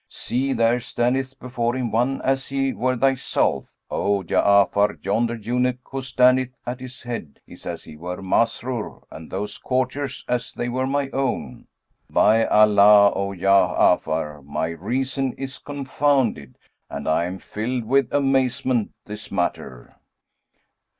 See, there standeth before him one as he were thyself, O Ja'afar; yonder eunuch who standeth at his head is as he were Masrur and those courtiers as they were my own. By Allah, O Ja'afar, my reason is confounded and I am filled with amazement this matter!"